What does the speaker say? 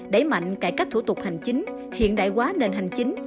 đẩy mạnh cải cách thủ tục hành chính hiện đại hóa nền hành chính